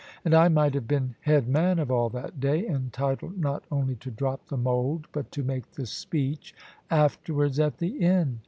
And I might have been head man of all that day, entitled not only to drop the mould, but to make the speech afterwards at the Inn.